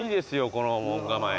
この門構え。